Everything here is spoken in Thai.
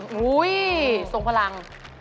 โอ้โฮส่งพลัง